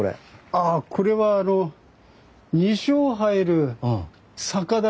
あこれはあの２升入る酒樽。